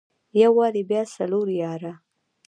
يو واري بيا څلور ياره.